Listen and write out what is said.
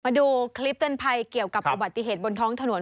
มาดูคลิปเตือนภัยเกี่ยวกับอุบัติเหตุบนท้องถนน